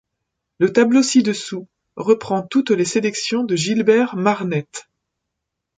Le tableau ci-dessous reprend toutes les sélections de Gilbert Marnette.